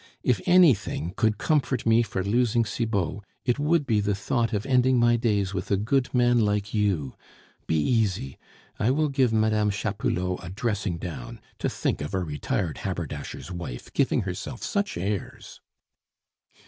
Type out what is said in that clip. if anything could comfort me for losing Cibot, it would be the thought of ending my days with a good man like you. Be easy. I will give Mme. Chapoulot a dressing down.... To think of a retired haberdasher's wife giving herself such airs!"